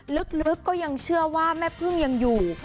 ลึกก็ยังเชื่อว่าแม่เพลิงอยู่